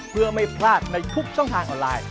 เพื่อไม่พลาดในทุกช่องทางออนไลน์